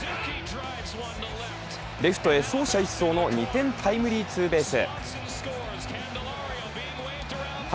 レフトへ走者一掃の２点タイムリーツーベース。